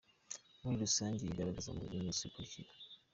Muri rusange, yigaragaza mu bimenyetso bikurikira:.